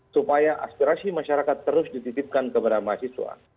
supaya aspirasi masyarakat terus dititipkan kepada mahasiswa